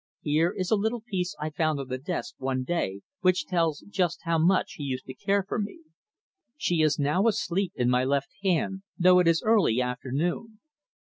Here is a little piece I found on the desk one day which tells just how he used to care for me: "She is now asleep in my left hand, though it is early afternoon.